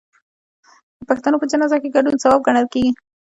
د پښتنو په جنازه کې ګډون ثواب ګڼل کیږي.